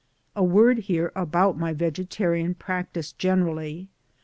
A word here about my vegetarian practice generally.